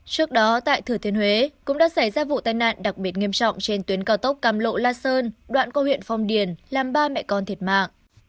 trước đó tại thừa thiên huế cũng đã xảy ra vụ tai nạn đặc biệt nghiêm trọng trên tuyến cao tốc cam lộ la sơn đoạn qua huyện phong điền làm ba mẹ con thiệt mạng